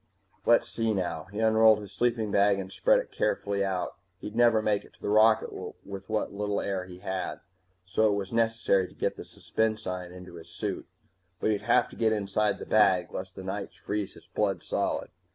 Let's see now He unrolled his sleeping bag and spread it carefully out. He'd never make it to the rocket with what air he had, so it was necessary to let the suspensine into his suit. But he'd have to get inside the bag, lest the nights freeze his blood solid.